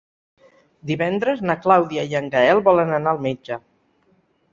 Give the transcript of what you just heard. Divendres na Clàudia i en Gaël volen anar al metge.